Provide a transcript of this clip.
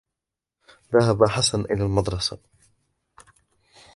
ذهب حسن إلى المدرسة.